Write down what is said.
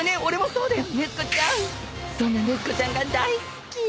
そんな禰豆子ちゃんが大好き。